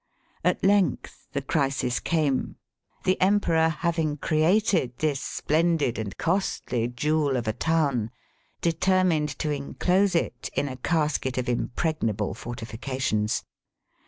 At length the crisis came. The Emperor having created this splendid and costly jewel of a town, determined to enclose it in a casket of impregnable fortifications.